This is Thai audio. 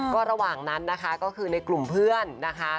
ก็ระหว่างนั้นนะคะก็คือในกลุ่มเพื่อนนะคะ